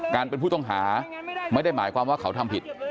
การเป็นผู้ต้องหาไม่ได้หมายความว่าเขาทำผิด